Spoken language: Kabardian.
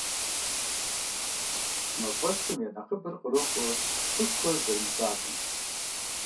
Мафӏэсхэм я нэхъыбэр кърокӏуэ цӏыхухэр зэрымысакъым.